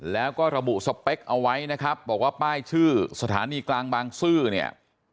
แล้วก็ระบุสเปคเอาไว้นะครับบอกว่าป้ายชื่อสถานีกลางบางซื่อเนี่ย